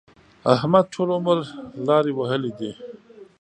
احمد ټول عمر لارې وهلې دي.